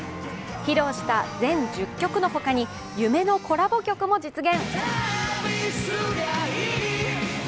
披露した全１０曲の他に夢のコラボ曲も実現。